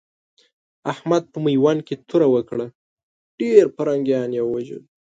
احمد په ميوند کې توره وکړه؛ ډېر پرنګيان يې ووژل.